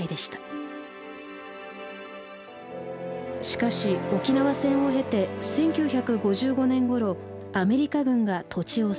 しかし沖縄戦を経て１９５５年ごろアメリカ軍が土地を接収。